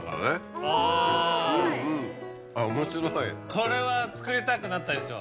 これは作りたくなったでしょ。